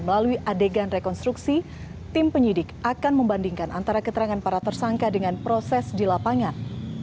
melalui adegan rekonstruksi tim penyidik akan membandingkan antara keterangan para tersangka dengan proses di lapangan